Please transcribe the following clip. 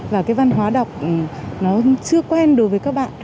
và cái văn hóa đọc nó chưa quen đối với các bạn